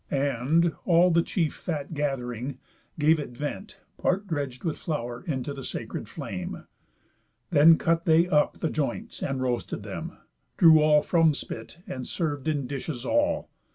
And (all the chief fat gath'ring) gave it vent (Part dredg'd with flour) into the sacred flame; Then cut they up the joints, and roasted them, Drew all from spit, and serv'd in dishes all.